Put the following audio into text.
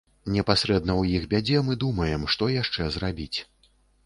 Непасрэдна ў іх бядзе мы думаем, што яшчэ зрабіць.